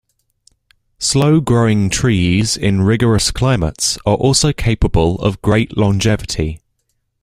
Slow-growing trees in rigorous climates are also capable of great longevity.